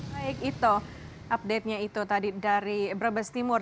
baik itu update nya itu tadi dari brebes timur